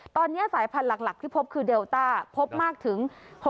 ตอนนี้สายพันธุ์หลักที่พบคือเดลต้าพบมากถึง